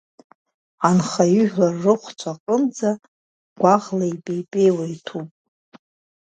Анхаҩыжәлар рыхәцәа аҟынӡа гәаӷла ипеипеиуа иҭәуп.